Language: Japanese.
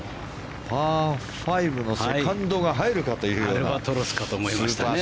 パー５のセカンドが入るかというようなアルバトロスかと思いましたね。